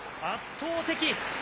圧倒的。